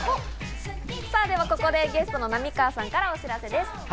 ここでゲストの浪川さんからお知らせです。